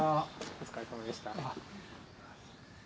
お疲れさまでした。